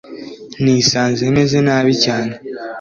Nisanze meze nabi cyane.